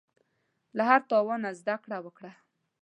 له هر تاوان نه زده کړه وکړه.